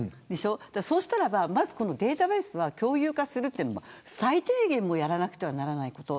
そうしたら、このデータベースは共有化するのは最低限やらなくてはいけないこと。